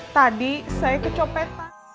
tadi saya kecopet